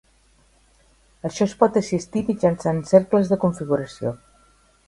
Això es pot assistir mitjançant cercles de configuració.